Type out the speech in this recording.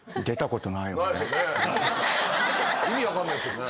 意味分かんないですよね。